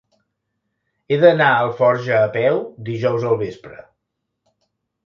He d'anar a Alforja a peu dijous al vespre.